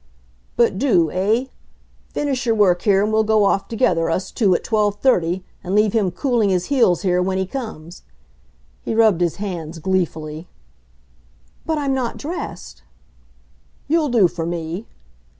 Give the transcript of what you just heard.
"But do eh? Finish your work here and we'll go off together, us two, at twelve thirty, and leave him cooling his heels here when he comes." He rubbed his hands gleefully. "But I'm not dressed." "You'll do for me."